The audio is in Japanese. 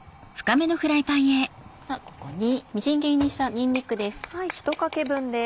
ここにみじん切りにしたにんにくです。